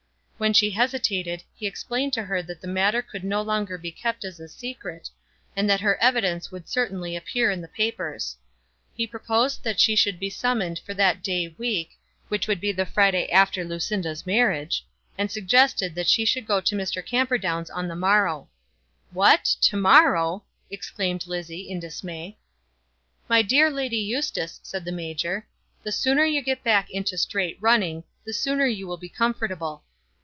When she hesitated, he explained to her that the matter could no longer be kept as a secret, and that her evidence would certainly appear in the papers. He proposed that she should be summoned for that day week, which would be the Friday after Lucinda's marriage, and he suggested that she should go to Mr. Camperdown's on the morrow. "What! to morrow?" exclaimed Lizzie, in dismay. "My dear Lady Eustace," said the major, "the sooner you get back into straight running, the sooner you will be comfortable."